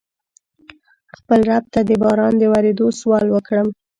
خپل رب ته د باران د ورېدو سوال وکړم.